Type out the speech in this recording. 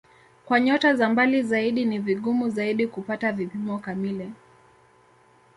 Kwa nyota za mbali zaidi ni vigumu zaidi kupata vipimo kamili.